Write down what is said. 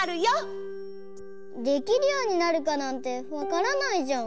できるようになるかなんてわからないじゃん。